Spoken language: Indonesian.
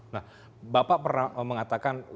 nah bapak pernah mengatakan